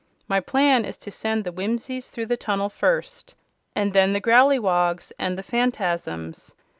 My plan is to send the Whimsies through the tunnel first, and then the Growleywogs and the Phanfasms.